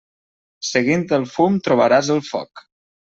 Seguint el fum trobaràs el foc.